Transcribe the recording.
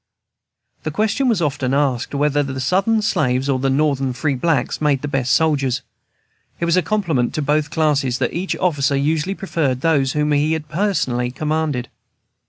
The question was often asked, whether the Southern slaves or the Northern free blacks made the best soldiers. It was a compliment to both classes that each officer usually preferred those whom he had personally commanded.